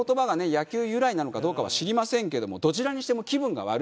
野球由来なのかどうかは知りませんけどもどちらにしても気分が悪い言葉です。